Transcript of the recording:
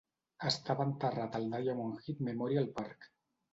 Estava enterrat al Diamond Head Memorial Park.